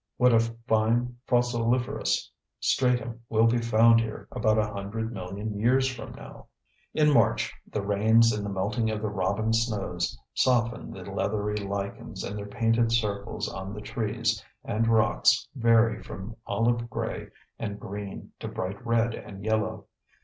What a fine fossiliferous stratum will be found here about a hundred million years from now! In March the rains and the melting of the "robin snows" soften the leathery lichens and their painted circles on the trees and rocks vary from olive gray and green to bright red and yellow.